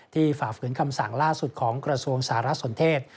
ฝ่าฝืนคำสั่งล่าสุดของกระทรวงสารสนเทศ